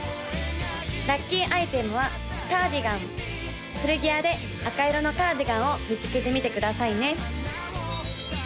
・ラッキーアイテムはカーディガン古着屋で赤色のカーディガンを見つけてみてくださいね